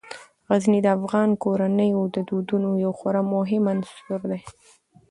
غزني د افغان کورنیو د دودونو یو خورا مهم عنصر دی.